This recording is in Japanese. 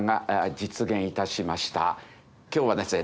今日はですね